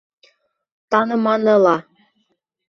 Таныманы ла.